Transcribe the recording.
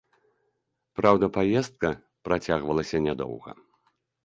Праўда, паездка працягвалася нядоўга.